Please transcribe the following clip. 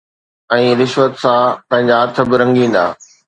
۽ رشوت سان پنهنجا هٿ به رنگيندا.